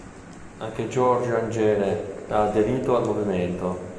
Anche George Angene ha aderito al movimento.